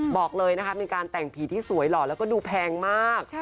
บอกเลยนะคะมีการแต่งผีที่สวยหล่อแล้วก็ดูแพงมาก